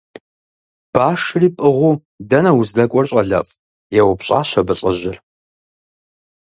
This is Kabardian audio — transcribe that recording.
– Башри пӀыгъыу дэнэ уздэкӀуэр, щӀалэфӀ? – еупщӀащ абы лӀыжьыр.